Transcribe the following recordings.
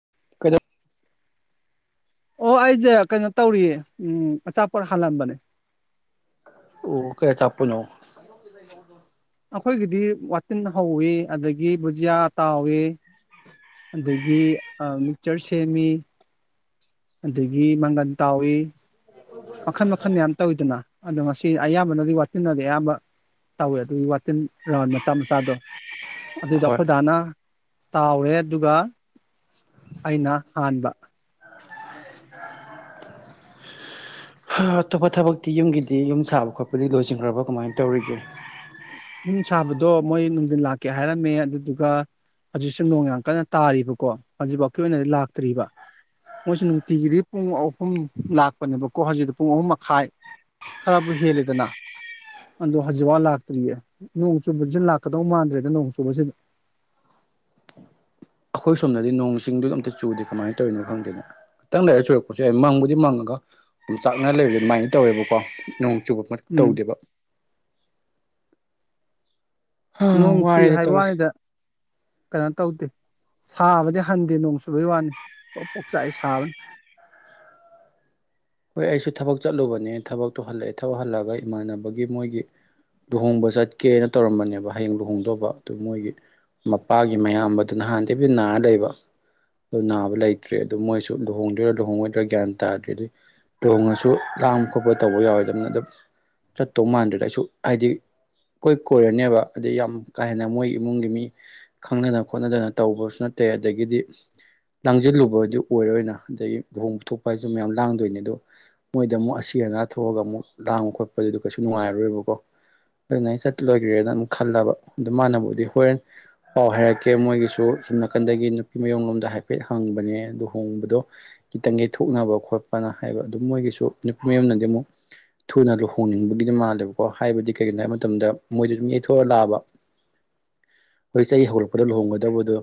[unintelligible] ꯑꯣ ꯑꯩꯖꯦ ꯀꯩꯅꯣ ꯇꯧꯔꯤꯌꯦ ꯎꯝ ꯑꯆꯥꯄꯣꯠ ꯍꯥꯜꯂꯝꯕꯅꯦ꯫ ꯑꯣ ꯀꯩ ꯑꯆꯥꯄꯣꯠꯅꯣ꯫ ꯑꯩꯈꯣꯏꯒꯤꯗꯤ ꯋꯥꯇꯤꯟ ꯍꯧꯋꯤ ꯑꯗꯒꯤ ꯕꯨꯖꯤꯌꯥ ꯇꯥꯎꯏ ꯑꯗꯒꯤ ꯃꯤꯛꯆꯔ ꯁꯦꯝꯃꯤ ꯑꯗꯒꯤ ꯃꯪꯒꯟ ꯇꯥꯎꯏ ꯃꯈꯜ ꯃꯈꯜ ꯃꯌꯥꯝ ꯇꯧꯋꯤꯗꯅ ꯑꯗꯣ ꯉꯁꯤ ꯑꯌꯥꯝꯕꯅꯗꯤ ꯋꯥꯇꯤꯟꯅꯗꯤ ꯑꯌꯥꯝꯕ ꯇꯧꯋꯦ ꯑꯗꯨꯒꯤ ꯋꯥꯇꯤꯟ ꯔꯥꯎꯟ ꯃꯆꯥ ꯃꯆꯥꯗꯣ ꯑꯗꯨꯗꯣ ꯍꯣꯏ ꯑꯩꯈꯣꯏꯗꯥꯅ ꯇꯥꯎꯔꯦ ꯑꯗꯨꯒ ꯑꯩꯅ ꯍꯥꯟꯕꯦ꯫ ꯍꯥ ꯑꯇꯣꯞꯄ ꯊꯕꯛꯇꯤ ꯌꯨꯝꯒꯤꯗꯤ ꯌꯨꯝ ꯁꯥꯕ ꯈꯣꯠꯄꯗꯤ ꯂꯣꯏꯁꯤꯟꯒ꯭ꯔꯕ ꯀꯃꯥꯏ ꯇꯧꯔꯤꯒꯦ꯫ ꯌꯨꯝ ꯁꯥꯕꯗꯣ ꯃꯣꯏ ꯅꯨꯡꯊꯤꯟ ꯂꯥꯛꯀꯦ ꯍꯥꯏꯔꯝꯃꯦ ꯑꯗꯨꯗꯨꯒ ꯍꯧꯖꯤꯛꯁꯨ ꯅꯣꯡ ꯌꯥꯝ ꯀꯟꯅ ꯇꯥꯔꯤꯕꯀꯣ ꯍꯧꯖꯤꯛꯐꯥꯎꯀꯤ ꯑꯣꯏꯅꯗꯤ ꯂꯥꯛꯇ꯭ꯔꯤꯕ ꯃꯣꯏꯁꯨ ꯅꯨꯡꯇꯤꯒꯤꯗꯤ ꯄꯨꯡ ꯑꯍꯨꯝ ꯂꯥꯛꯄꯅꯦꯕꯀꯣ ꯍꯧꯖꯤꯇꯤ ꯄꯨꯡ ꯑꯍꯨꯝ ꯃꯈꯥꯏ ꯈꯔꯕꯨ ꯍꯦꯜꯂꯦꯗꯅ ꯑꯗꯣ ꯍꯧꯖꯤꯛꯕꯥꯎ ꯂꯥꯛꯇ꯭ꯔꯤꯌꯦ꯫ ꯅꯣꯡ ꯆꯨꯕꯖꯤ ꯂꯥꯛꯀꯗꯧ ꯃꯥꯟꯗ꯭ꯔꯦꯗ ꯅꯣꯡ ꯆꯨꯕꯖꯤꯗ꯫ ꯑꯩꯈꯣꯏ ꯁꯣꯝꯗꯗꯤ ꯅꯣꯡ ꯏꯁꯤꯡꯗꯤ ꯑꯝꯇ ꯆꯨꯗꯦ ꯀꯃꯥꯏ ꯇꯧꯔꯤꯅꯣ ꯈꯪꯗꯦꯅ ꯈꯤꯇꯪ ꯂꯩꯔꯒ ꯆꯨꯔꯛꯄꯁꯨ ꯌꯥꯏ ꯃꯪꯕꯨꯗꯤ ꯃꯪꯉꯒ ꯎꯝꯆꯥꯛꯅ ꯂꯩꯕ ꯑꯗꯨꯃꯥꯏꯅ ꯇꯧꯋꯦꯕꯀꯣ ꯅꯣꯡ [unintelligible] ꯎꯝ ꯇꯧꯗꯦꯕ꯫ ꯍꯥ ꯅꯣꯡ ꯆꯨꯏ ꯋꯥꯔꯦꯗ ꯍꯥꯏꯕ ꯇꯧꯔꯤꯁꯦ꯫ ꯋꯥꯅꯤꯗ ꯀꯩꯅꯣ ꯇꯧꯗꯦ ꯁꯥꯕꯗꯤ ꯍꯟꯗꯦ ꯅꯣꯡ ꯆꯨꯕꯩ ꯋꯥꯅꯤ ꯄ꯭ꯔꯣꯛ ꯄ꯭ꯔꯣꯛ ꯆꯥꯛꯏ ꯁꯥꯕꯅ꯫ ꯍꯣꯏ ꯑꯩꯁꯨ ꯊꯕꯛ ꯆꯠꯂꯨꯕꯅꯦ ꯊꯕꯛꯇꯨ ꯍꯜꯂꯛꯑꯦ ꯊꯕꯛ ꯍꯜꯂꯛꯑꯒ ꯏꯃꯥꯟꯅꯕꯒꯤ ꯃꯣꯏꯒꯤ ꯂꯨꯍꯣꯡꯕ ꯆꯠꯀꯦꯅ ꯇꯧꯔꯝꯕꯅꯦꯕ ꯍꯌꯦꯡ ꯂꯨꯍꯣꯡꯗꯧꯕ ꯑꯗꯨ ꯃꯣꯏꯒꯤ ꯃꯄꯥꯒꯤ ꯃꯌꯥꯝꯕꯗꯨ ꯅꯍꯥꯟꯗꯒꯤ ꯅꯥꯔ ꯂꯩꯕ ꯑꯗꯨ ꯅꯥꯕ ꯂꯩꯇ꯭ꯔꯦ ꯑꯗꯨ ꯃꯣꯏꯁꯨ ꯂꯨꯍꯣꯡꯗꯣꯏꯔꯥ ꯂꯨꯍꯣꯡꯉꯣꯏꯗꯣꯏꯔꯥ ꯒ꯭ꯌꯥꯟ ꯇꯥꯗ꯭ꯔꯦ ꯑꯗꯨꯒꯤ ꯂꯨꯍꯣꯡꯉꯁꯨ ꯂꯥꯡꯕ ꯈꯣꯠꯄ ꯇꯧꯕ ꯌꯥꯎꯔꯣꯏꯗꯃꯤꯅ ꯑꯗꯨꯝ ꯆꯠꯇꯧ ꯃꯥꯟꯗ꯭ꯔꯦꯗ ꯑꯩꯁꯨ ꯍꯥꯏꯗꯤ ꯏꯀꯣꯏ ꯀꯣꯏꯔꯅꯦꯕ ꯑꯗꯩ ꯌꯥꯝ ꯀꯥ ꯍꯦꯟꯅ ꯃꯣꯏ ꯏꯃꯨꯡꯒꯤ ꯃꯤ ꯈꯪꯅꯗꯅ ꯈꯣꯠꯅꯗꯅ ꯇꯧꯕꯁꯨ ꯅꯠꯇꯦ ꯑꯗꯒꯤꯗꯤ ꯂꯥꯡꯖꯤꯜꯂꯨꯕꯖꯨ ꯑꯣꯏꯔꯣꯏꯅ ꯑꯗꯒꯤ ꯂꯨꯍꯣꯡ ꯊꯣꯛꯄ ꯍꯥꯏꯖꯤ ꯃꯌꯥꯝ ꯂꯥꯡꯗꯣꯏꯅꯤ ꯑꯗꯨ ꯃꯣꯏꯗ ꯑꯃꯨꯛ ꯑꯁꯤ ꯑꯅꯥ ꯊꯣꯛꯑꯒ ꯑꯃꯨꯛ ꯂꯥꯡꯕ ꯈꯣꯠꯄꯗꯨꯗ ꯀꯩꯁꯨ ꯅꯨꯡꯉꯥꯏꯔꯣꯏꯕꯀꯣ ꯑꯗꯨꯅ ꯑꯩ ꯆꯠꯂꯣꯏꯈ꯭ꯔꯦꯅ ꯑꯗꯨꯨꯛ ꯈꯜꯂꯕ ꯑꯗꯨ ꯃꯥꯅꯕꯨꯗꯤ ꯍꯣꯔꯦꯟ ꯄꯥꯎ ꯍꯥꯏꯔꯛꯀꯦ ꯃꯣꯏꯒꯤꯁꯨ ꯁꯨꯝ ꯅꯥꯀꯟꯗꯒꯤ ꯅꯨꯄꯤ ꯃꯌꯨꯝ ꯂꯣꯝꯗ ꯍꯥꯏꯐꯦꯠ ꯍꯪꯕꯅꯦ ꯑꯗꯨ ꯍꯣꯡꯕꯗꯣ ꯈꯤꯇꯪ ꯌꯩꯊꯣꯛꯅꯕ ꯈꯣꯠꯄꯅ ꯍꯥꯏꯕ ꯑꯗꯨꯝ ꯃꯣꯏꯒꯤꯁꯨ ꯅꯨꯄꯤ ꯃꯌꯅꯗꯤ ꯑꯃꯨꯛ ꯊꯨꯅ ꯂꯨꯍꯣꯡꯅꯤꯡꯕꯒꯤꯗꯤ ꯃꯥꯜꯂꯦꯕꯀꯣ ꯍꯥꯏꯕꯗꯤ ꯀꯩꯒꯤꯅꯣ ꯍꯥꯏꯕ ꯃꯇꯝꯗ ꯃꯣꯏꯗ ꯑꯗꯨꯝ ꯌꯩꯊꯣꯛꯑ ꯂꯥꯛꯑꯕ ꯑꯩꯣꯏ ꯆꯍꯤ ꯍꯧꯔꯛꯄꯗ ꯂꯨꯍꯣꯡꯒꯗꯧꯕꯗꯣ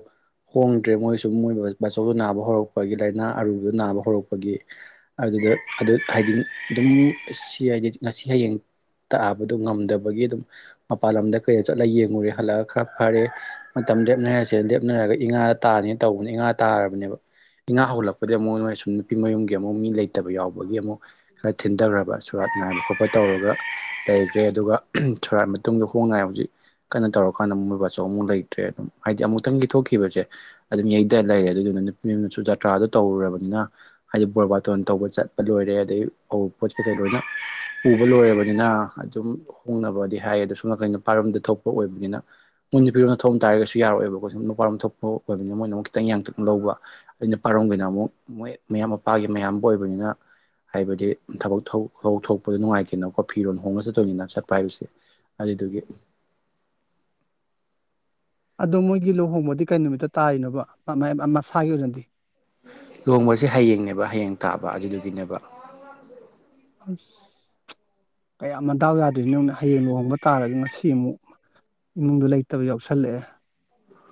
ꯍꯣꯡꯗ꯭ꯔꯦ ꯃꯣꯏꯁꯨ ꯃꯣꯏ ꯄꯕꯥꯆꯧꯗꯨꯣ ꯅꯥꯕ ꯍꯧꯔꯛꯄꯒꯤ ꯂꯥꯏꯅꯥ ꯑꯔꯨꯕꯗ ꯅꯥꯕ ꯍꯧꯔꯛꯄꯒꯤ ꯑꯗꯨꯗ ꯑꯗꯨ ꯍꯥꯏꯗꯤ ꯑꯗꯨꯝ ꯁꯤ ꯍꯥꯏꯗꯤ ꯉꯁꯤ ꯍꯌꯦꯡ ꯇꯥꯛꯑꯕꯗꯨ ꯉꯝꯗꯕꯒꯤ ꯑꯗꯨꯝ ꯃꯄꯥꯟ ꯂꯝꯗ ꯀꯩꯗ ꯆꯠꯂꯒ ꯌꯦꯡꯉꯨꯔꯦ ꯍꯜꯂꯛꯑꯒ ꯈꯔ ꯐꯔꯦ ꯃꯇꯝ ꯂꯦꯞꯅꯔꯁꯦ ꯂꯦꯞꯅꯔꯒ ꯏꯉꯥ ꯇꯥꯅꯤ ꯇꯧꯕꯅꯦ ꯏꯉꯥ ꯇꯥꯔꯕꯅꯦꯕ ꯏꯉꯥ ꯍꯧꯜꯂꯛꯄꯗꯒꯤ ꯑꯃꯨꯛ ꯅꯣꯏ ꯁꯨꯝ ꯅꯨꯄꯤ ꯃꯌꯨꯝꯒꯤ ꯑꯃꯨꯛ ꯃꯤ ꯂꯩ ꯂꯩꯇꯕ ꯌꯥꯎꯕꯒꯤ ꯑꯃꯨꯛ ꯈꯔ ꯊꯤꯟꯊꯈ꯭ꯔꯕ ꯁꯨꯔꯥꯠ ꯅꯥꯏꯕ ꯈꯣꯠꯄ ꯇꯧꯔꯒ ꯂꯩꯈ꯭ꯔꯦ ꯑꯗꯨꯒ ꯁꯨꯔꯥꯠ ꯃꯇꯨꯡꯗ ꯍꯣꯡ ꯉꯏ ꯍꯧꯖꯤꯛ ꯀꯟꯅ ꯇꯧꯔꯀꯥꯟꯗ ꯃꯣꯏꯕ ꯑꯆꯧ ꯑꯃꯨꯛ ꯂꯩꯇ꯭ꯔꯦ ꯑꯗꯨꯝ ꯍꯥꯏꯗꯤ ꯑꯃꯨꯛꯇꯪ ꯊꯣꯛꯣꯛꯈꯤꯕꯁꯦ ꯑꯗꯨꯝ ꯌꯩꯗ ꯂꯩꯔꯦ ꯑꯗꯨꯗꯨꯅ ꯅꯨꯄꯤ ꯌꯅꯁꯨ ꯖꯇ꯭ꯔꯥꯗ ꯇꯧꯔꯨꯔꯕꯅꯤꯅ ꯍꯥꯏꯗꯤ ꯕꯣꯔꯕꯥꯇꯣꯟ ꯇꯧꯕ ꯆꯠꯄ ꯂꯣꯏꯔꯦ ꯑꯗꯩ ꯑ ꯄꯣꯠ ꯀꯩꯀꯩ ꯂꯣꯏꯅ ꯎꯕ ꯂꯣꯏꯔꯕꯅꯤꯅ ꯑꯗꯨꯝ ꯍꯣꯡꯅꯕꯗꯤ ꯍꯥꯏꯌꯦ ꯑꯗꯣ ꯁꯣꯝ ꯅꯥꯀꯩꯅ ꯅꯨꯄꯥꯔꯣꯝꯗ ꯊꯣꯛꯄ ꯑꯣꯏꯕꯅꯤꯅ ꯃꯨꯟꯅꯁꯨ ꯐꯤꯔꯣꯝꯗ ꯊꯣꯛꯣꯡꯝ ꯇꯥꯔꯒꯁꯨ ꯌꯥꯔꯛꯑꯣꯦꯕꯀꯣ ꯁꯨꯝ ꯅꯨꯄꯥꯔꯣꯝ ꯊꯣꯛꯄ ꯑꯣꯏꯕꯅꯤꯅ ꯃꯣꯏꯅ ꯑꯃꯨꯛ ꯈꯤꯇꯪ ꯌꯥꯡꯊꯛ ꯂꯧꯕ ꯑꯗꯨꯩꯅ ꯄꯥꯔꯝꯒꯤꯅ ꯑꯃꯨꯛ ꯃꯣꯏ ꯃꯌꯥꯝ ꯃꯄꯥꯒꯤ ꯃꯌꯥꯝ ꯑꯣꯏꯕꯅꯤꯅ ꯍꯥꯏꯕꯗꯤ ꯊꯕꯛ ꯊꯣꯛꯄꯗ ꯅꯨꯡꯉꯥꯏꯇꯦꯅꯀꯣ ꯐꯤꯔꯣꯜ ꯍꯣꯡꯅ ꯆꯠꯇꯣꯏꯅꯤꯅ ꯆꯠꯄ ꯍꯥꯏꯕꯁꯦ ꯑꯗꯨꯗꯨꯒꯤ ꯑꯗꯣ ꯃꯣꯏꯒꯤ ꯂꯨꯍꯣꯡꯕꯗꯤ ꯀꯔꯤ ꯅꯨꯃꯤꯠꯇ ꯇꯥꯔꯤꯅꯣꯕ ꯃꯁꯥꯒꯤ ꯑꯣꯏꯅꯗꯤ ꯂꯨꯣꯡꯕꯁꯦ ꯍꯌꯦꯡꯅꯦꯕ ꯍꯌꯦꯡ ꯇꯥꯕ ꯑꯗꯨꯗꯨꯒꯤꯅꯦꯕ ꯑꯁ ꯀꯌꯥꯝ ꯑꯗꯥꯎ ꯌꯥꯗ꯭ꯔꯤꯅꯣꯅ ꯍꯌꯦꯡ ꯂꯨꯍꯣꯡꯕ ꯇꯥꯔꯒ ꯉꯁꯤ ꯑꯃꯨꯛ ꯏꯃꯨꯡꯗꯣ ꯂꯩꯇꯕ ꯌꯥꯎꯁꯜꯂꯛꯑꯦ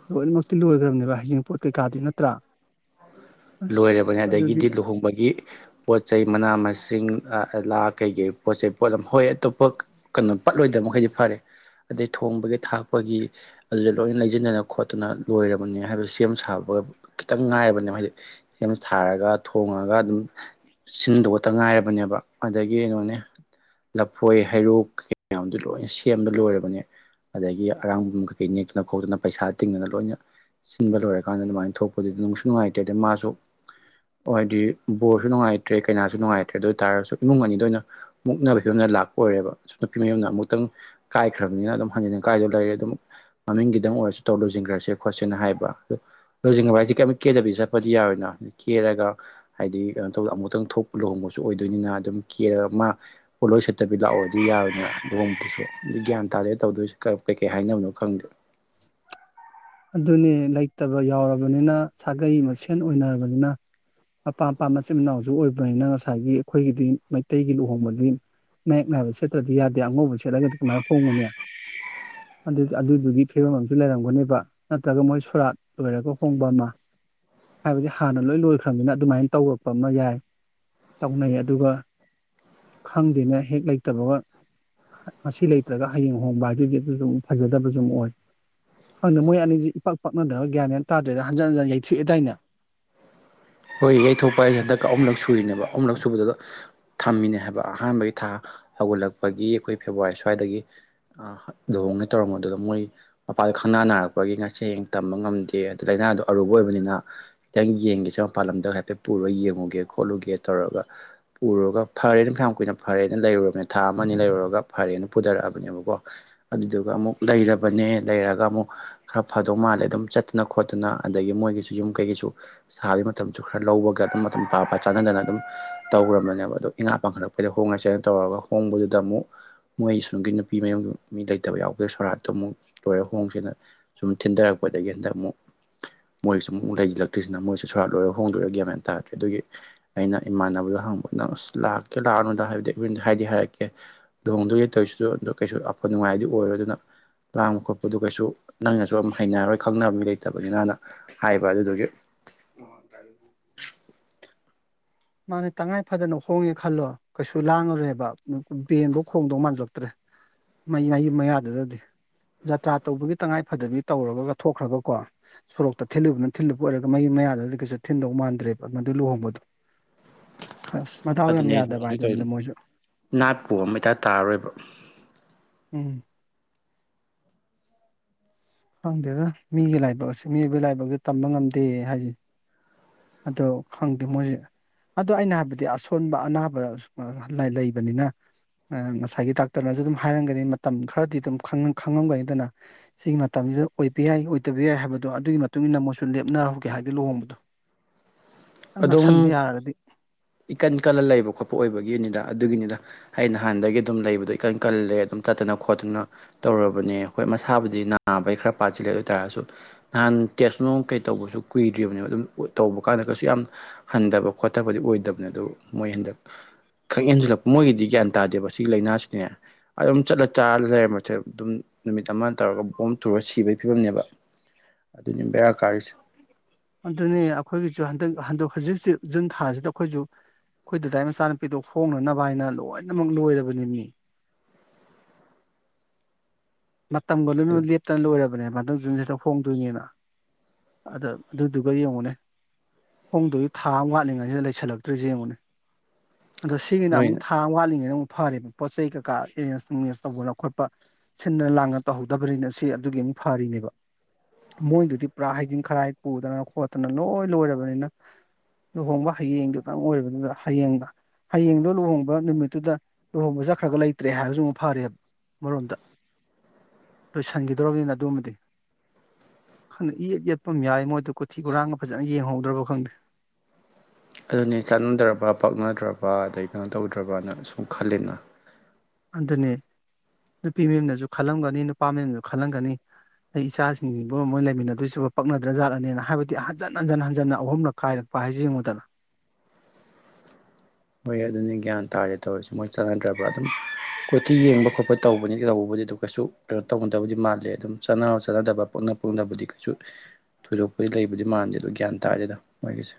ꯂꯣꯏꯅꯃꯛꯇꯤ ꯂꯣꯏꯈ꯭ꯔꯕꯅꯦꯕ ꯍꯌꯦꯖꯤꯡ ꯄꯣꯠ ꯀꯩꯀꯥꯗꯤ ꯅꯠꯇ꯭ꯔꯥ ꯂꯣꯏꯔꯕꯅꯦ ꯑꯁ ꯑꯗꯨꯗꯤ ꯑꯗꯒꯤꯗꯤ ꯂꯨꯍꯣꯡꯕꯒꯤ ꯄꯣꯠ ꯆꯩ ꯃꯅꯥ ꯃꯁꯤꯡ ꯆꯤꯡꯂꯥ ꯀꯩꯀꯩ ꯄꯣꯠ ꯆꯩ ꯄꯣꯠꯂꯝ ꯍꯣꯏ ꯑꯇꯣꯞꯄ ꯀꯩꯅꯣ ꯄꯠꯂꯣꯏꯗꯕ ꯃꯈꯩꯗꯤ ꯐꯔꯦ ꯑꯗꯩ ꯊꯣꯡꯕꯒꯤ ꯊꯥꯛꯄꯒꯤ ꯑꯗꯨꯗ ꯂꯣꯏꯅ ꯂꯩꯁꯤꯟꯗꯅ ꯈꯣꯠꯇꯅ ꯂꯣꯏꯔꯕꯅꯤ ꯍꯥꯏꯕ ꯁꯦꯝ ꯁꯥꯕꯒ ꯈꯤꯇꯪ ꯉꯥꯏꯔꯕꯅꯦ ꯍꯥꯏꯗꯤ ꯁꯦꯝ ꯁꯥꯥꯔꯒ ꯊꯣꯡꯉꯒ ꯑꯗꯨꯝ ꯁꯤꯟꯗꯣꯛꯧꯕꯇ ꯉꯥꯏꯔꯕꯅꯦꯕ ꯑꯗꯒꯤ ꯀꯩꯅꯣꯅꯦ ꯂꯐꯣꯏ ꯍꯩꯔꯣꯛ ꯀꯩꯀꯌꯥꯝꯗꯨ ꯂꯣꯏꯅ ꯁꯦꯝꯕ ꯂꯣꯏꯔꯕꯅꯦ ꯑꯗꯒꯤ ꯑꯔꯥꯡꯕ ꯀꯩꯀꯩ ꯅꯦꯛꯇꯅ ꯈꯣꯠꯇꯅ ꯄꯩꯁꯥ ꯇꯤꯡꯗꯅ ꯂꯣꯏꯅ ꯁꯤꯟꯕ ꯂꯣꯏꯔꯀꯥꯟꯗ ꯑꯗꯨꯃꯥꯏꯅ ꯊꯣꯛꯄꯗꯨ ꯅꯨꯡꯁꯨ ꯅꯨꯡꯉꯥꯏꯇ ꯑꯗ ꯃꯥꯁꯨ ꯍꯥꯏꯗꯤ ꯕꯣꯔꯁꯨ ꯅꯨꯡꯉꯥꯏꯇ꯭ꯔꯦ ꯀꯩꯅꯥꯁꯨ ꯅꯨꯡꯉꯥꯏꯇ꯭ꯔꯦ ꯑꯗꯨ ꯑꯣꯏꯇꯥꯥꯔꯒꯁꯨ ꯏꯃꯨꯡ ꯑꯅꯤꯗ ꯑꯣꯏꯅ ꯃꯨꯛꯅꯕ ꯐꯤꯕꯝꯗ ꯂꯥꯛꯄ ꯑꯣꯏꯔꯦꯕ ꯅꯨꯄꯤ ꯃꯌꯨꯝꯅ ꯑꯃꯨꯛꯇꯪ ꯀꯥꯏꯈ꯭ꯔꯕꯅꯤꯅ ꯑꯗꯨꯝ ꯍꯟꯖꯤꯟꯟꯅ ꯀꯥꯏꯗꯨ ꯂꯩꯔꯦ ꯑꯗꯨꯝ ꯃꯃꯤꯡꯒꯤꯗꯪ ꯑꯣꯏꯔꯁꯨ ꯇꯧꯔ ꯂꯨꯁꯤꯤꯡꯈ꯭ꯔꯁꯦ ꯈꯣꯠꯁꯦꯅ ꯍꯥꯏꯕ ꯂꯣꯏꯁꯤꯤꯡꯈ꯭ꯔꯕ ꯍꯥꯏꯁꯦ ꯀꯔꯤꯝꯛ ꯀꯦꯗꯕꯤ ꯆꯠꯦ ꯄꯗꯤ ꯌꯥꯔꯣꯏꯅ ꯀꯦꯔꯒ ꯍꯥꯏꯗꯤ ꯀꯩꯅꯣ ꯇꯧꯗ ꯑꯃꯨꯛꯇꯪ ꯊꯣꯛꯄ ꯂꯨꯍꯣꯡꯕꯁꯨ ꯑꯣꯏꯗꯣꯏꯅꯤꯅ ꯑꯗꯨꯝ ꯀꯦꯔꯒ ꯃꯥ ꯄꯣꯠꯂꯣꯏ ꯁꯠꯇꯕꯤ ꯂꯥꯛꯑꯣꯗꯤ ꯌꯥꯔꯣꯏꯅ ꯂꯨꯍꯣꯡꯕꯁꯨꯦ ꯒ꯭ꯌꯥꯟ ꯇꯥꯗꯦ ꯇꯧꯗꯣꯏ ꯀꯩꯀꯩ ꯍꯥꯏꯅꯕꯅꯣ ꯈꯪꯗꯦ ꯑꯗꯨꯅꯦ ꯂꯩꯇꯕ ꯌꯥꯎꯔꯕꯅꯤꯅ ꯁꯥꯒꯩ ꯃꯁꯦꯟ ꯑꯣꯏꯅꯔꯕꯅꯤꯅ ꯑꯄꯥꯝ ꯑꯄꯥꯝ ꯃꯆꯤꯟ ꯃꯅꯥꯎꯁꯨ ꯑꯣꯏꯕꯅꯤꯅ ꯉꯁꯥꯏꯒꯤ ꯑꯩꯈꯣꯏꯒꯤꯗꯤ ꯃꯩꯇꯩꯒꯤ ꯂꯨꯍꯣꯡꯕꯗꯤ ꯃꯌꯦꯛ ꯅꯥꯏꯕ ꯁꯦꯠꯇ꯭ꯔꯗꯤ ꯌꯥꯗꯦ ꯑꯉꯧꯕ ꯁꯦꯠꯂꯒꯗꯤ ꯀꯃꯥꯏꯅ ꯍꯣꯡꯕꯨꯅꯦ ꯑꯗꯨ ꯑꯗꯨꯗꯨꯒꯤ ꯐꯤꯕꯝ ꯑꯃꯁꯨ ꯂꯩꯔꯝꯒꯅꯦꯕ ꯅꯠꯇ꯭ꯔꯒ ꯃꯣꯏ ꯁꯨꯔꯥꯠ ꯂꯣꯏꯔꯒ ꯍꯣꯡꯕ ꯑꯃ ꯍꯥꯏꯕꯗꯤ ꯍꯥꯟꯅ ꯂꯣꯏ ꯂꯣꯏꯈ꯭ꯔꯕꯅꯤꯅ ꯑꯗꯨꯃꯥꯏꯅ ꯇꯧꯔꯛꯄ ꯑꯃ ꯌꯥꯏ ꯇꯧꯅꯩ ꯑꯗꯨꯒ ꯈꯪꯗꯦꯅ ꯍꯦꯛ ꯂꯩꯇꯕꯒ ꯃꯁꯤ ꯂꯩꯇ꯭ꯔꯒ ꯍꯌꯦꯡ ꯍꯣꯡꯕ ꯍꯥꯏꯗꯨꯗꯤ ꯑꯗꯨꯁꯨ ꯐꯖꯗꯕꯁꯨꯝ ꯑꯣꯏ ꯈꯪꯗꯅ ꯃꯣꯏ ꯑꯅꯤ ꯁꯤ ꯏ ꯄꯄꯥꯛ ꯄꯥꯛꯅꯗꯅꯕ ꯒ꯭ꯌꯥꯟ ꯃꯌꯥꯌꯥꯝ ꯇꯥꯗ꯭ꯔꯦꯗ ꯍꯟꯖꯤꯟ ꯍꯟꯖꯤꯟ ꯌꯩꯊꯣꯛꯑꯦꯗꯥꯏꯅ ꯍꯣꯏ ꯌꯩꯊꯣꯛꯄ ꯑꯩꯁꯦ ꯍꯟꯗꯛꯀ ꯑꯍꯨꯝꯂꯛ ꯁꯨꯔꯤꯅꯦꯕ ꯑꯍꯨꯝꯂꯛ ꯁꯨꯕꯗꯨꯗ ꯊꯝꯃꯤꯅꯦ ꯍꯥꯏꯕ ꯑꯍꯥꯟꯕꯒꯤ ꯊꯥ ꯍꯧꯒꯠꯂꯛꯄꯒꯤ ꯑꯩꯈꯣꯏ ꯐꯦꯕꯋꯥꯔꯤ ꯁ꯭ꯋꯥꯏꯗꯒꯤ ꯂꯨꯍꯣꯡꯅ ꯇꯧꯔꯝꯕꯗꯨꯗ ꯃꯣꯏ ꯃꯄꯥꯗꯣ ꯈꯪꯅꯥ ꯅꯥꯔꯛꯄꯒꯤ ꯉꯁꯦꯡ ꯇꯝꯕ ꯉꯝꯗꯦ ꯑꯗꯨ ꯂꯥꯏꯅꯥꯗꯣ ꯑꯔꯨꯕ ꯑꯣꯏꯕꯅꯤꯅ ꯈꯤꯇꯪ ꯌꯦꯡꯒꯁꯤ ꯃ ꯄꯥꯟꯂꯝꯗ ꯍꯥꯏꯐꯦꯠ ꯄꯨꯔꯒ ꯌꯦꯡꯉꯨꯒꯦ ꯈꯣꯠꯂꯨꯒꯦ ꯇꯧꯔꯒ ꯄꯨꯔꯒ ꯐꯔꯦꯅ ꯀꯌꯥꯝ ꯀꯨꯏꯅ ꯐꯔꯦꯅ ꯂꯩꯔꯨꯔꯕꯅ ꯊꯥ ꯑꯃ ꯑꯅꯤ ꯂꯩꯔꯨꯔꯒ ꯐꯔꯦꯅ ꯄꯨꯊꯔꯛꯑꯕꯅꯦꯕꯀꯣ ꯑꯗꯨꯗꯨꯒ ꯑꯃꯨꯛ ꯂꯩꯔꯕꯅꯦ ꯂꯩꯔꯒ ꯑꯃꯨꯛ ꯈꯔ ꯐꯗꯧ ꯃꯥꯜꯂꯦ ꯑꯗꯨꯝ ꯆꯠꯇꯅ ꯈꯣꯠꯇꯅ ꯑꯗꯒꯤ ꯃꯣꯏꯒꯤꯁꯨ ꯌꯨꯝ ꯀꯩꯒꯤꯁꯨ ꯁꯥꯕ ꯃꯇꯝꯁꯨ ꯈꯔ ꯂꯧꯕꯒ ꯑꯗꯨꯝ ꯃꯇꯝ ꯄꯥ ꯄ ꯆꯥꯟꯅꯗꯅ ꯑꯗꯨꯝ ꯇꯧꯈꯝꯕꯅꯦꯕ ꯑꯗꯣ ꯏꯉꯥ ꯄꯥꯡꯈꯠꯂꯛꯄꯩ ꯍꯣꯡꯉꯁꯦꯅ ꯇꯧꯔꯒ ꯍꯣꯡꯕꯗꯨꯗ ꯑꯃꯨꯛ ꯃꯣꯏ ꯁꯨꯝꯒꯤ ꯅꯨꯄꯤ ꯃꯌꯨꯝꯒꯤ ꯃꯤ ꯂꯩꯇꯕ ꯌꯥꯎꯗꯣꯏ ꯁꯣꯔꯥꯠꯇꯣ ꯑꯃꯨꯛ ꯂꯣꯏꯔꯦ ꯍꯣꯡꯁꯤꯦꯅ ꯁꯨꯝ ꯊꯤꯟꯊꯔꯛꯄꯗꯒꯤ ꯍꯟꯗꯛ ꯑꯃꯨꯛ ꯃꯣꯏꯁꯨ ꯑꯃꯨꯛ ꯂꯩꯁꯤꯜꯂꯛꯇꯣꯏꯔꯤꯁꯤꯅ ꯃꯣꯏꯁꯨ ꯁ ꯈꯔ ꯂꯣꯏꯔ ꯍꯣꯡꯗꯣꯏꯔꯒꯦꯦꯝꯃ ꯍꯥꯏꯅ ꯇꯥꯔ꯭ꯔꯦ ꯑꯗꯨꯒꯤ ꯑꯩꯅ ꯏꯃꯥꯟꯅꯕꯗꯣ ꯍꯪꯕ ꯅꯪ ꯑꯁ ꯂꯥꯛꯀꯦ ꯂꯥꯛꯑꯅꯣꯗ ꯍꯥꯏꯕꯗꯤꯕꯔꯤ ꯍꯥꯏꯗꯤ ꯍꯥꯏꯔꯛꯀꯦ ꯂꯨꯍꯣꯡꯗꯣꯏꯦ ꯇꯧꯔꯤꯁꯤꯁꯨ ꯑꯗꯨꯗ ꯀꯩꯁꯨ ꯑꯐ ꯅꯨꯡꯉꯥꯏꯗꯤ ꯑꯣꯏꯔꯣꯏ ꯑꯗꯨꯅ ꯂꯥꯡꯕ ꯈꯣꯠꯄꯗꯨ ꯀꯩꯁꯨ ꯅꯪꯅꯁꯨ ꯑꯗꯨ ꯍꯩꯅꯔꯣꯏ ꯈꯪꯅꯕ ꯃꯤ ꯂꯩꯇꯕꯅꯤꯅꯅ ꯍꯥꯏꯕ ꯑꯗꯨꯗꯨꯒꯤ ꯑꯣ ꯇꯥꯏ ꯃꯥꯅꯦ ꯇꯉꯥꯏ ꯐꯗꯅ ꯍꯣꯡꯉꯦ ꯈꯜꯂꯣ ꯀꯩꯁꯨ ꯂꯥꯡꯉꯨꯔꯦꯕ ꯕꯦꯟꯕ ꯈꯣꯡꯗꯧ ꯃꯥꯟꯂꯛꯇ꯭ꯔꯦ ꯃꯩ ꯃꯌꯨꯝ ꯃꯌꯥꯗꯨꯗꯗꯤ ꯖꯇ꯭ꯔꯥ ꯇꯧꯕꯒꯤ ꯇꯉꯥꯏ ꯐꯗꯕꯤ ꯇꯧꯔꯒ ꯊꯣꯛꯈ꯭ꯔꯒꯀꯣ ꯁꯣꯔꯣꯛꯇ ꯊꯤꯜꯂꯨꯕꯅ ꯊꯤꯜꯂꯨꯕ ꯑꯣꯏꯔꯒ ꯃꯌꯨꯝ ꯃꯌꯥꯗꯨꯗꯗꯤ ꯀꯩꯁꯨ ꯊꯤꯟꯗꯧ ꯃꯥꯟꯗ꯭ꯔꯦꯕ ꯃꯗꯨ ꯂꯨꯍꯣꯡꯕꯗꯣ ꯑꯁ ꯃꯗꯥꯎ ꯌꯥꯝ ꯑꯗꯨꯅꯦ ꯌꯥꯗꯕ ꯑꯗꯨꯃꯅꯧ ꯍꯥꯏꯗꯨꯅꯤꯗ ꯃꯣꯏꯁꯨ ꯅꯥꯠꯄꯨ ꯑꯃ ꯏꯇꯥ ꯇꯥꯔꯔꯣꯏꯕ ꯎꯝ ꯈꯪꯗꯦꯗ ꯃꯤꯒꯤ ꯂꯥꯏꯕꯛ ꯃꯤꯕꯒꯤ ꯂꯥꯏꯕꯛꯁ ꯇꯝꯕ ꯉꯝꯗꯦ ꯍꯥꯏꯁꯦ ꯑꯗꯣ ꯈꯪꯗꯦ ꯃꯣꯏꯁꯦ ꯑꯗꯣ ꯑꯩꯅ ꯍꯥꯏꯕꯗꯤ ꯑꯁꯣꯟꯕ ꯑꯅꯥꯕ ꯂꯩꯕꯅꯤꯅ ꯉꯁꯥꯏꯒꯤ ꯗꯥꯛꯇꯔꯅꯁꯨ ꯑꯗꯨꯝ ꯍꯥꯏꯔꯝꯒꯅꯤ ꯃꯇꯝ ꯈꯔꯗꯤ ꯑꯗꯨꯝ ꯈꯪꯉꯝꯒꯅꯤꯗꯅ ꯁꯤꯒꯤ ꯃꯇꯝꯁꯤꯗ ꯑꯣꯏꯕ ꯌꯥꯏ ꯑꯣꯏꯗꯕ ꯌꯥꯏ ꯍꯥꯏꯕꯗꯣ ꯑꯗꯨꯒꯤ ꯃꯇꯨꯡ ꯏ ꯃꯇꯨꯡꯏꯟꯅ ꯃꯣꯏꯁꯨ ꯂꯦꯞꯅꯔꯍꯧꯒꯦ ꯍꯥꯏꯗꯨ ꯂꯨꯍꯣꯡꯕꯗꯣ ꯈꯤꯇꯪ ꯑꯗꯨꯝ ꯅꯛꯁꯟꯕ ꯌꯥꯔꯒꯗꯤ ꯏꯀꯟ ꯀꯜꯂ ꯂꯩꯕ ꯈꯣꯠꯄ ꯑꯣꯏꯕꯒꯤꯅꯤꯗ ꯑꯗꯨꯒꯤꯅꯤꯗ ꯑꯩ ꯅꯍꯥꯟꯗꯒꯤ ꯑꯗꯨꯝ ꯂꯩꯕꯗꯣ ꯏꯀꯟ ꯀꯜꯂꯦ ꯑꯗꯨꯝ ꯇꯠꯇꯅ ꯈꯣꯠꯇꯅ ꯇꯧꯔꯕꯅꯦ ꯍꯣꯏ ꯃꯁꯥꯕꯨꯗꯤ ꯅꯥꯕꯩ ꯈꯔ ꯄꯥꯁꯤꯜꯂꯦ ꯑꯗꯨ ꯑꯣꯏ ꯇꯥꯔꯁꯨ ꯅꯍꯥꯟ ꯇꯦꯁꯅꯨꯡ ꯀꯩ ꯇꯧꯕꯁꯨ ꯀꯨꯏꯗ꯭ꯔꯤꯕꯅꯦꯕ ꯑꯗꯨꯝ ꯇꯧꯕ ꯀꯥꯟꯗ ꯀꯩꯁꯨ ꯌꯥꯝ ꯍꯟꯊꯕ ꯈꯣꯠꯇꯕꯗꯤ ꯑꯣꯏꯗꯕꯅꯦ ꯑꯗꯨ ꯃꯣꯏ ꯍꯟꯗꯛ ꯈꯛ ꯍꯦꯟꯖꯤꯜꯂꯛꯄ ꯃꯣꯏꯒꯤꯗꯤ ꯒ꯭ꯌꯥꯟ ꯇꯥꯗꯦꯕ ꯁꯤꯒꯤ ꯂꯥꯏꯅꯥꯁꯤꯅꯦ ꯑꯗꯨꯝ ꯆꯠꯂ ꯆꯥꯔ ꯂꯩꯔꯝꯕꯁꯦ ꯑꯗꯨꯝ ꯅꯨꯃꯤꯠ ꯑꯃ ꯇꯧꯔꯒ ꯕꯣꯝ ꯇꯨꯔꯒ ꯁꯤꯕꯩ ꯐꯤꯕꯝꯅꯦꯕ ꯑꯗꯨꯅꯤ ꯕꯦꯔꯥ ꯀꯥꯔꯤꯁꯦ ꯑꯗꯨꯅꯦ ꯑꯩꯈꯣꯏꯒꯤꯁꯨ ꯍꯟꯗꯛ ꯍꯟꯗꯛ ꯍꯧꯖꯤꯛ ꯍꯧꯖꯤꯛ ꯖꯨꯟ ꯊꯥꯁꯤꯗ ꯑꯩꯈꯣꯏꯁꯨ ꯑꯩꯈꯣꯏ ꯗꯗꯥꯏ ꯃꯆꯥꯅꯨꯄꯤꯗ ꯍꯣꯡꯅꯅꯕ ꯍꯥꯏꯅ ꯂꯣꯏꯅꯃꯛ ꯂꯣꯏꯔꯕꯅꯤꯕ ꯃꯤ ꯃꯇꯝꯒꯂꯨꯅ ꯑꯗꯨ ꯂꯦꯞꯇꯅ ꯂꯣꯏꯔ ꯅꯦ ꯃꯊꯪ ꯨꯨꯝꯁꯤꯗ ꯍꯣꯡꯗꯣꯏꯅꯤꯅ ꯑꯗ ꯑꯗꯨꯗꯨꯒ ꯌꯦꯡꯉꯨꯅꯦ ꯍꯣꯡꯗꯣꯏꯒꯤ ꯊꯥ ꯑꯃ ꯋꯥꯠꯂꯤꯉꯩꯁꯤꯗ ꯂꯩꯁꯜꯂꯛꯇ꯭ꯁꯦ ꯌꯦꯡꯉꯨꯅꯦ ꯑꯗꯣ ꯁꯤꯒꯤꯅ ꯅꯣꯏ ꯑꯃꯨꯛ ꯊꯥ ꯋꯥꯠꯂꯤꯉꯩꯅ ꯑꯃꯨꯛꯇ ꯐꯔꯦꯕ ꯄꯣꯠ ꯆꯩ ꯀꯩꯀꯥ ꯑꯦꯔꯦꯟꯖ ꯦꯟꯖ ꯇꯧꯕ ꯂꯧ ꯈꯣꯠꯄ ꯁꯤꯟꯅ ꯂꯥꯡꯅ ꯇꯧꯍꯧꯗꯕꯅꯤꯅ ꯁꯤ ꯑꯗꯨꯒꯤ ꯑꯃꯨꯛ ꯐꯔꯤꯅꯦꯕ ꯃꯣꯏꯗꯨꯗꯤ ꯄꯨꯔꯥ ꯍꯩꯗꯤꯤꯡ ꯈꯔꯥꯏ ꯄꯨꯗꯅ ꯈꯣꯠꯇꯅ ꯂꯣꯏ ꯂꯣꯏꯔꯕꯅꯤꯅ ꯂꯨꯍꯣꯡꯕ ꯍꯌꯦꯡꯗꯨꯗꯪ ꯑꯣꯏꯔꯕꯅꯤꯅ ꯍꯌꯦꯡꯗ ꯍꯌꯦꯡꯗꯣ ꯂꯨꯍꯣꯡꯕ ꯅꯨꯃꯤꯠꯇꯨꯗ ꯂꯨꯍꯣꯡꯕ ꯆꯠꯈ꯭ꯔꯒ ꯂꯩꯇ꯭ꯔꯦ ꯍꯥꯏꯕꯁꯨ ꯑꯃꯨꯛ ꯐꯔꯦꯕ ꯑꯃꯣꯝꯗ ꯂꯣꯏꯁꯤꯟꯈꯤꯗ꯭ꯔꯕꯅꯤꯅ ꯑꯗꯨꯃꯗꯤꯪꯗꯦ ꯌꯦꯠ ꯌꯦꯠꯄ ꯌꯥꯏ ꯃꯣꯏꯗ ꯀꯣꯊꯤ ꯈꯨꯨꯔꯥꯡꯒ ꯐꯖꯅ ꯌꯦꯡꯍꯧꯗ꯭ꯔꯕ ꯈꯪꯗꯦ ꯑꯗꯨꯅꯦ ꯆꯥꯟꯅꯗ꯭ꯔꯕ ꯄꯛꯅꯗ꯭ꯔꯕ ꯑꯗꯩ ꯀꯩꯅꯣ ꯇꯧꯗ꯭ꯔꯕꯅ ꯁꯨꯝ ꯑꯣ ꯈꯜꯂꯤꯂꯟꯅ ꯑꯗꯨꯅꯦ ꯅꯨꯄꯤ ꯃꯌꯨꯝꯅꯁꯨ ꯈꯜꯂꯝꯒꯅꯤ ꯅꯨꯄꯥ ꯃꯌꯨꯝꯅꯁꯨ ꯈꯜꯂꯝꯒꯅꯤ ꯑꯩ ꯏꯆꯥꯁꯤꯡꯁꯤꯕꯨ ꯃꯣꯏ ꯂꯩꯃꯤꯟꯅꯗꯣꯏꯁꯤ ꯄꯛꯅꯗ꯭ꯔ ꯖꯠꯂꯅꯤꯅ ꯍꯥꯏꯕꯗꯤ ꯍꯟꯖꯤꯟ ꯍꯟꯖꯤꯟ ꯍꯟꯖꯤꯟꯅ ꯑꯍꯨꯝꯂꯛ ꯀꯥꯏꯔꯛꯄ ꯍꯥꯏꯁꯦ ꯌꯦꯡꯉꯨꯗꯅ꯫ ꯍꯣꯏ ꯑꯗꯨꯅꯤ ꯒ꯭ꯌꯥꯟ ꯇꯥꯔꯁꯦ ꯇꯧꯔꯤꯁꯦ ꯃꯣꯏ ꯆꯥꯟꯅꯗ꯭ꯔꯕ ꯑꯗꯨꯝ ꯀꯣꯊꯤ ꯌꯦꯡꯕ ꯈꯣꯠꯄ ꯇꯧꯕꯅꯤ ꯇꯧꯕꯕꯨꯗꯤ ꯑꯗꯨ ꯀꯩꯁꯨ ꯀꯩꯅꯣ ꯇꯧꯅꯗꯕꯨꯗꯤ ꯃꯥꯟꯂꯦ ꯑꯗꯨꯝ ꯆ ꯆꯠꯅꯗꯕ ꯄꯛꯅ ꯄꯛꯕꯨꯗꯤ ꯀꯩꯁꯨ ꯊꯣꯏꯗꯣꯛꯄꯗꯤ ꯂꯩꯕꯨꯗꯤ ꯃꯥꯟꯗꯦ ꯑꯗꯨꯣ ꯒ꯭ꯌꯥꯟ ꯇꯥꯗꯦ ꯗ ꯃꯣꯏꯒꯤꯁꯦ꯫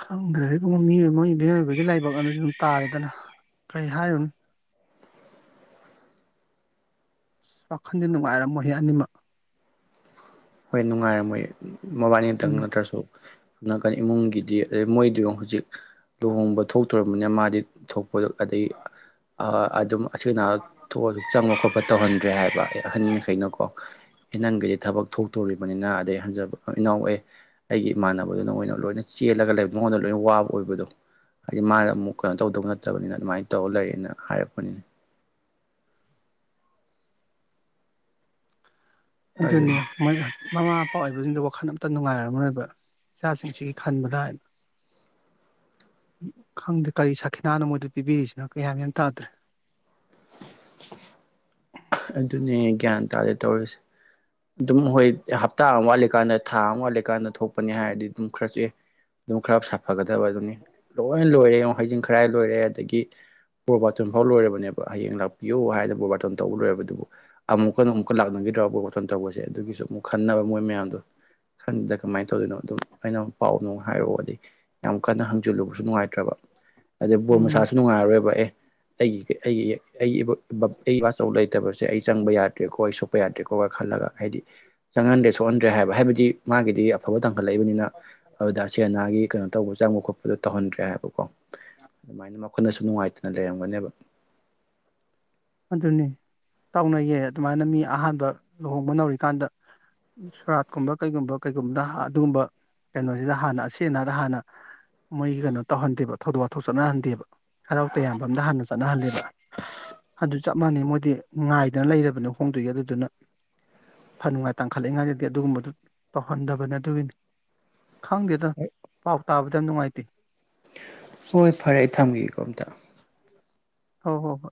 ꯈꯪꯗꯔ꯭ꯦ ꯗ ꯃꯣꯏ꯫ ꯃꯤꯑꯣꯏꯕꯥꯒꯤ ꯂꯥꯏꯕꯥꯛ ꯍꯥꯏ꯫ ꯇꯥꯔꯦꯗꯅ ꯀꯩ ꯍꯥꯏꯌꯨꯅꯤ꯫ ꯋꯥꯈꯜꯗ ꯅꯨꯡꯉꯥꯏꯔꯝꯃꯣꯏꯍꯦ ꯑꯅꯤꯃꯛ ꯍꯈꯣꯏ ꯅꯨꯡꯉꯥꯏꯔꯝꯃꯣꯏ ꯌꯦ꯫ ꯃꯕꯥꯅꯤꯇꯪ ꯎꯝ ꯅꯠꯇ꯭ꯔꯁꯨ꯫ ꯁꯝ ꯅꯥꯀꯟ ꯏꯃꯨꯡꯒꯤꯗꯤ ꯑꯗꯩ ꯃꯣꯏꯗꯨ ꯍꯧꯖꯤꯛ ꯂꯨꯍꯣꯡꯕ ꯊꯣꯛꯇꯣꯔꯅꯤꯅ ꯃꯥꯗꯤ ꯊꯣꯛꯄ ꯑꯗꯒꯤ ꯑꯗꯨꯝ꯫ ꯑꯁꯤ ꯑꯣꯏꯅ ꯊꯣꯛꯑꯁꯨ ꯆꯪꯕ ꯈꯣꯠꯄ ꯇꯧꯍꯟꯗ꯭ꯔꯦ ꯍꯥꯏꯕ ꯀꯣ ꯑꯍꯟꯈꯩꯅꯀꯣ꯫ ꯅꯪꯒꯤꯗꯤ ꯊꯕꯛ꯫ ꯄꯨꯊꯣꯛꯇꯣꯔꯤꯕꯅꯤꯅ ꯑꯗꯩ ꯍꯟꯖꯕ ꯏꯅꯥꯎ ꯑꯦ ꯑꯩꯒꯤ ꯏꯃꯥꯟꯅꯕꯗꯨ ꯅꯉꯣꯏꯅ ꯂꯣꯏꯅ ꯆꯦꯜꯂꯒ ꯂꯩ ꯃꯉꯣꯟꯗ ꯂꯣꯏꯅ ꯋꯥꯕ ꯑꯣꯏꯕꯗꯣ ꯍꯥꯏꯗꯤ ꯃꯥꯅ ꯑꯃꯨꯛ ꯀꯩꯅꯣ ꯇꯧꯗꯧ ꯅꯠꯇꯕꯅꯤꯅ ꯑꯗꯨꯃꯥꯏꯅ ꯇꯧꯔ ꯂꯩꯔꯦꯅ ꯍꯥꯏꯔꯛꯄꯅꯤ꯫ ꯑꯗꯨꯅꯤ ꯃꯃꯥ ꯃꯄꯥ ꯑꯣꯏꯕꯁꯤꯡꯗ ꯋꯥꯈꯜ꯫ ꯍꯇ ꯅꯨꯡꯉꯥꯏꯔꯝꯔꯣꯏꯕ ꯏꯆꯥꯁꯤꯡꯁꯤꯒꯤ ꯈꯟꯕꯗ ꯍꯥꯏꯅ꯫ ꯈꯪꯗꯦ ꯀꯔꯤ ꯁꯥꯈꯤꯅꯥꯅꯣ ꯃꯣꯏꯗ ꯄꯤꯕꯤꯔꯤꯁꯤꯅꯣ ꯀꯌꯥꯝ ꯌꯥꯝ ꯇꯥꯗ꯭ꯔꯦ꯫ ꯫ ꯑꯗꯨꯅꯦ ꯒ꯭ꯌꯥꯟ ꯇꯥꯔꯦ ꯇꯧꯔꯤꯁꯦ ꯑꯗꯨꯝ ꯍꯣꯏ ꯍꯞꯇꯥ ꯑꯃ ꯋꯥꯠꯂꯤꯀꯥꯟꯗ ꯊꯥ ꯑꯃ ꯋꯥꯠꯂꯤꯀꯥꯟꯗ ꯊꯣꯛꯄꯅꯤ ꯍꯥꯏꯔꯗꯤ ꯑꯗꯨꯝ ꯈꯔꯁꯨ ꯑꯦ ꯑꯗꯨꯝ ꯈꯔ ꯁꯥꯐꯒꯗꯥ꯫ ꯑꯗꯨꯅꯤ ꯂꯣꯏ ꯂꯣꯏꯔꯦ꯫ ꯍꯩꯖꯤꯡ ꯈꯔꯥꯏ ꯂꯣꯏꯔꯦ ꯑꯗꯒꯤ ꯕꯣꯔꯕꯥꯇꯣꯟ ꯐꯥꯎ ꯂꯣꯏꯔꯕꯅꯦꯕ ꯍꯌꯦꯡ ꯂꯥꯛꯄꯤꯌꯨ ꯍꯥꯏꯅ ꯕꯣꯔꯕꯥꯇꯣꯟ꯫ ꯂꯣꯏ ꯑꯗꯨꯕꯨ ꯑꯃꯨꯛꯀ ꯑꯃꯨꯛꯀ ꯂꯥꯛꯅꯗ꯭ꯔꯕ ꯋꯥꯈꯐꯝ ꯇꯧꯕꯁꯦ ꯑꯗꯨꯒꯤꯁꯨ ꯑꯃꯨꯛ꯫ ꯈꯟꯅꯕ ꯃꯣꯏ ꯃꯌꯥꯝꯗꯣ ꯈꯟꯕꯗ ꯀꯃꯥꯏꯅ ꯇꯧꯗꯣꯏꯅꯣ ꯑꯗꯨꯝ ꯑꯩꯅ ꯑꯃꯛ ꯄꯥꯎ ꯅꯨꯡꯉꯥꯏ꯫ ꯍꯥꯏꯔꯛꯑꯣꯗꯤ ꯌꯥꯝ ꯀꯟꯅ ꯍꯪꯖꯤꯜꯂꯨꯕꯁꯨ ꯅꯨꯡꯉꯥꯏꯇ꯭ꯔꯕ꯫ ꯑꯗꯩ ꯕꯣꯔ ꯎꯝ ꯃꯁꯁꯨ ꯅꯨꯡꯉꯥꯏꯔꯣꯏꯕ ꯑꯦ꯫ ꯑꯩꯒꯤ ꯑꯩꯒꯤ꯫ ꯑꯩ꯫ ꯂꯩꯇꯕꯁꯦ ꯑꯩ ꯆꯪꯕ ꯌꯥꯗ꯭ꯔꯦꯀꯣ ꯑꯩ ꯁꯣꯛꯄ ꯌꯥꯗ꯭ꯔꯦꯀꯣꯒ ꯈꯜꯂꯒ ꯍꯥꯏꯗꯤ ꯆꯪꯍꯟꯗ꯭ꯔꯦ ꯁꯣꯛꯍꯟꯗ꯭ꯔꯦ ꯍꯥꯏꯕ ꯍꯥꯏꯕꯗꯤ ꯃꯥꯒꯤꯗꯤ ꯑꯐꯕ ꯇꯪꯈꯠꯂꯛꯏꯕꯅꯤꯅ ꯑꯗꯨꯗ ꯁꯤ ꯑꯅꯥꯒꯤ ꯀꯩꯅꯣ ꯇꯧꯕ ꯆꯪꯕ ꯈꯣꯠꯄꯗꯣ ꯇꯧꯍꯟꯗ꯭ꯔꯦ ꯍꯥꯏꯕꯀꯣ ꯑꯗꯨꯃꯥꯏꯅ ꯃꯈꯣꯏꯅꯁꯨ ꯅꯨꯡꯉꯥꯏꯇꯅ ꯂꯩꯔꯝꯒꯅꯦꯕ꯫ ꯑꯗꯨꯅꯤ ꯇꯧꯅꯩꯌꯦ ꯑꯗꯨꯃꯥꯏꯅ ꯃꯤ ꯑꯍꯥꯟꯕ ꯂꯨꯍꯣꯡꯕ ꯅꯧꯔꯤꯀꯥꯟꯗ ꯁꯣꯔꯥꯠꯀꯨꯝꯕ ꯀꯩꯒꯨꯝꯕ ꯀꯩꯒꯨꯝꯕꯗ ꯑꯗꯨꯒꯨꯝꯕ ꯀꯩꯅꯣꯁꯤꯗ ꯍꯥꯟꯅ ꯑꯁ ꯑꯅꯥꯗ ꯍꯥꯟꯅ ꯃꯣꯏꯒꯤ ꯀꯩꯅꯣ ꯇꯧꯍꯟꯗꯦꯕ ꯊꯧꯗꯣꯛ ꯋꯥꯊꯣꯛ ꯆꯠꯅꯍꯟꯗꯦꯕ꯫ ꯍꯔꯥꯎ ꯇꯌꯥꯝꯕ ꯑ ꯑꯃꯗ ꯍꯥꯟꯅ ꯆꯠꯅꯍꯜꯂꯦꯕ꯫ ꯆꯞ ꯃꯥꯟꯅꯩ ꯃꯣꯏꯗꯤ ꯉꯥꯏꯗꯅ ꯂꯩꯔꯕꯅꯤ ꯍꯣꯡꯗꯣꯏꯒꯤ ꯑꯗꯨꯗꯨꯅ ꯐꯟ ꯅꯨꯡꯉꯥꯏ ꯇꯥꯡꯈꯠꯂꯛꯏꯉꯥꯏꯗꯗꯤ ꯑꯗꯨꯒꯨꯝꯕꯗꯨ ꯇꯧꯍꯟꯗꯕꯅꯤ ꯑꯗꯨꯒꯤꯅꯤ ꯈꯪꯗꯦꯗ ꯄꯥꯎ ꯇꯥꯕꯗ ꯅꯨꯡꯉꯥꯏꯇꯦ꯫ ꯍꯣꯏ ꯐꯔꯦ ꯑꯩ ꯊꯝꯒꯦꯀꯣ ꯑꯝꯇ꯫ ꯍ ꯍꯣ ꯍꯣꯏ꯫